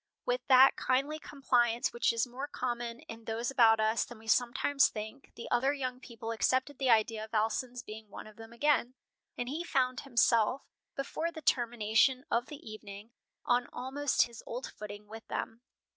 With that kindly compliance which is more common in those about us than we sometimes think, the other young people accepted the idea of Alson's being one of them again, and he found himself, before the termination of the evening, on almost his old footing with them.